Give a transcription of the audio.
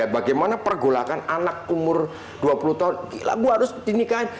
bagaimana pergolakan anak umur dua puluh tahun ibu harus dinikahin